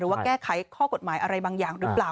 ว่าแก้ไขข้อกฎหมายอะไรบางอย่างหรือเปล่า